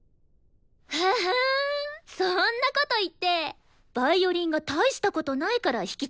ははんそんなこと言ってヴァイオリンが大したことないから弾きたくないだけでしょ？